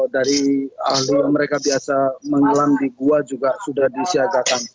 dari ahli yang mereka biasa menyelam di gua juga sudah disiapkan